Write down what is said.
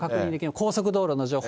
高速道路の情報。